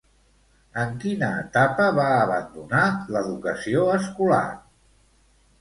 En quina etapa va abandonar l'educació escolar?